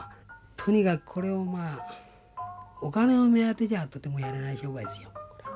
とにかくこれをまあお金を目当てじゃあとてもやれない商売ですよこれは。